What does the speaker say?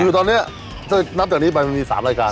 คือตอนนี้ถ้านับจากนี้ไปมันมี๓รายการ